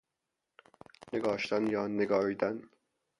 نگاشتن یا نگاریدن